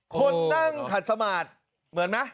คนนั่งขัดสมาดเหมือนมั้ย